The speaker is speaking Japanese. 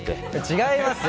違いますよ！